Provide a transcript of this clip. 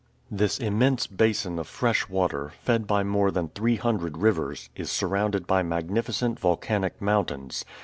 This immense basin of fresh water, fed by more than three hundred rivers, is surrounded by magnificent volcanic mountains.